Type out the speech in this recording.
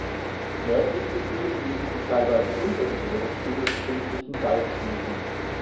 Nördlich des Sees liegen die teilweise unter dem Meeresspiegel befindlichen "Salzwiesen".